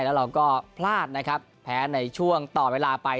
แล้วเราก็พลาดนะครับแพ้ในช่วงต่อเวลาไป